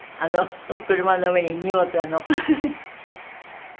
車の上に荷物が。